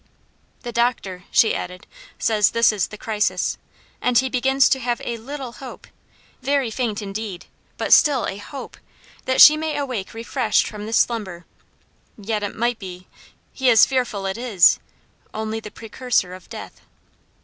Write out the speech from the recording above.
"The doctor," she added, "says this is the crisis, and he begins to have a little hope very faint, indeed, but still a hope that she may awake refreshed from this slumber; yet it might be he is fearful it is only the precursor of death."